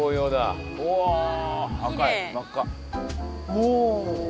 おお。